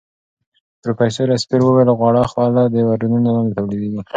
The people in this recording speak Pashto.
پروفیسوره سپېر وویل غوړه خوله د ورنونو لاندې تولیدېږي.